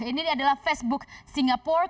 ini adalah facebook singapura